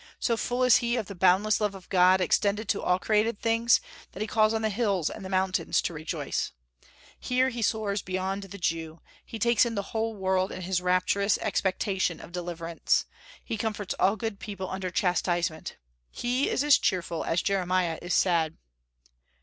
So full is he of the boundless love of God, extended to all created things, that he calls on the hills and the mountains to rejoice. Here he soars beyond the Jew; he takes in the whole world in his rapturous expectation of deliverance. He comforts all good people under chastisement. He is as cheerful as Jeremiah is sad.